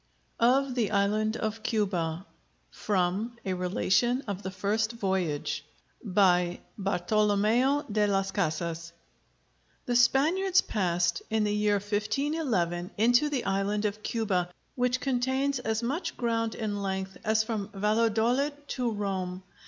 OF THE ISLAND OF CUBA From 'A Relation of the First Voyage' The Spaniards passed, in the year 1511, into the Island of Cuba, which contains as much ground in length as from Valladolid to Rome.